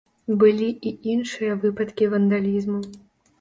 Былі і іншыя выпадкі вандалізму.